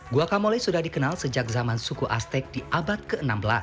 guacamole sudah dikenal sejak zaman suku aztek di abad ke enam belas